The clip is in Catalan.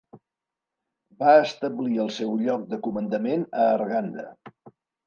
Va establir el seu lloc de comandament a Arganda.